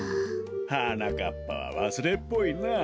はなかっぱはわすれっぽいなあ。